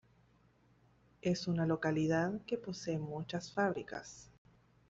Es una localidad que posee muchas fábricas.